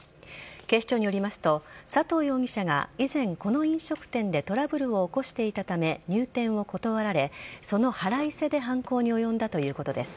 警視庁によりますと佐藤容疑者が以前、この飲食店でトラブルを起こしていたため入店を断られ、その腹いせで犯行に及んだということです。